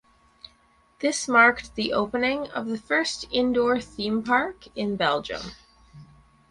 This marked the opening of the first indoor theme park in Belgium.